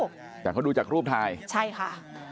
แต่เขาดูจากรูปถ่ายใช่ค่ะ